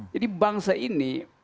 jadi bangsa ini